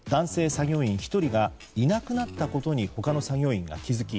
作業員１人がいなくなったことに他の作業員が気付き